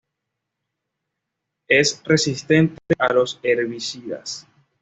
Es resistente a los herbicidas.